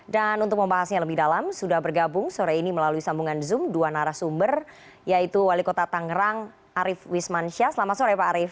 dan untuk membahasnya lebih dalam sudah bergabung sore ini melalui sambungan zoom dua narasumber yaitu wali kota tangerang arief wismansyah selamat sore pak arief